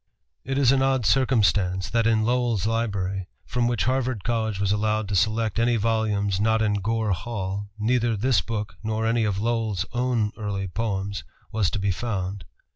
It is an odd circumstance that in Lowell's library, from which Harvard College was allowed to select any volumes not in Gore Hall, neither this book nor any of Lowell's own early poems was to be found.